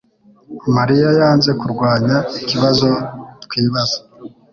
mariya yanze kurwanya ikibazo twibaza